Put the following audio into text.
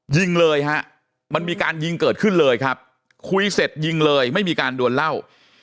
ยิงเลยฮะมันมีการยิงเกิดขึ้นเลยครับคุยเสร็จยิงเลยไม่มีการดวนเหล้า